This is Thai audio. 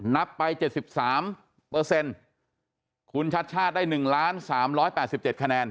นับไป๗๓เปอร์เซ็นต์คุณชัดชาติได้๑ล้าน๓๘๗คะแนน